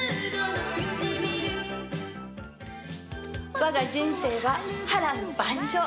我が人生は波乱万丈。